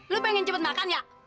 lo pengen cepet makan ya